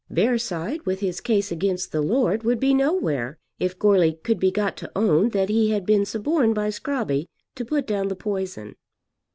Bearside with his case against the lord would be nowhere, if Goarly could be got to own that he had been suborned by Scrobby to put down the poison.